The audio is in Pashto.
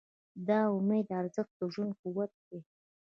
د امید ارزښت د ژوند قوت دی.